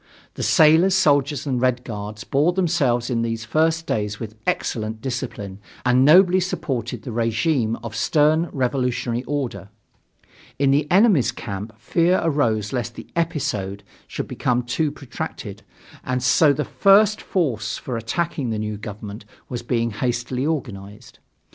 The sailors, soldiers and the Red Guards bore themselves in these first days with excellent discipline and nobly supported the regime of stern revolutionary order. In the enemy's camp fear arose lest the "episode" should become too protracted, and so the first force for attacking the new government was being hastily organized.